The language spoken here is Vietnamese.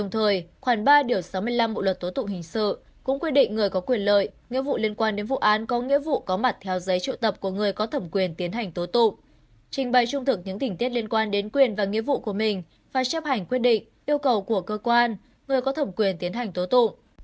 trình bày trung thực những tỉnh tiết liên quan đến quyền và nghĩa vụ của mình và chấp hành quyết định yêu cầu của cơ quan người có thẩm quyền tiến hành tố tụ